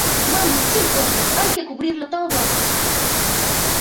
¡ vamos, chicos, hay que cubrirlo todo!